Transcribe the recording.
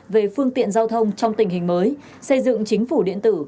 về phương tiện giao thông trong tình hình mới xây dựng chính phủ điện tử